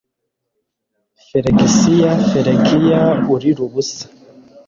Flegisiya Feligiya urira ubusa